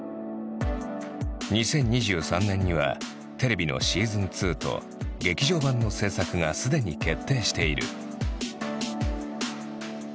２０２３年にはテレビのＳｅａｓｏｎ２と劇場版の制作がすでに決定している。